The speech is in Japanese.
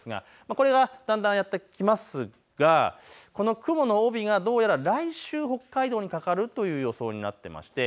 これがだんだんやって来ますがこの雲の帯がどうやら来週、北海道にかかるという予想になっていまして